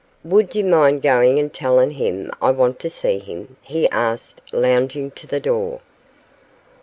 'Would you mind going and telling him I want to see him?' he asked, lounging to the door.